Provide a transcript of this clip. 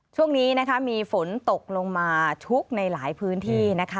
ช่วงนี้นะคะมีฝนตกลงมาชุกในหลายพื้นที่นะคะ